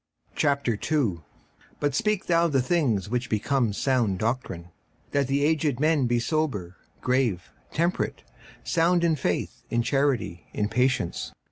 56:002:001 But speak thou the things which become sound doctrine: 56:002:002 That the aged men be sober, grave, temperate, sound in faith, in charity, in patience.